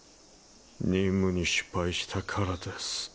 任務に失敗したからです